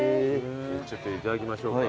ちょっといただきましょうか。